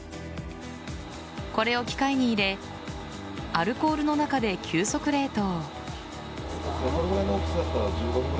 これを機械に入れアルコールの中で急速冷凍。